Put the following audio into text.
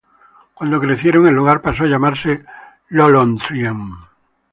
Cuando crecieron, el lugar pasó a llamarse Lothlórien.